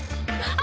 あ。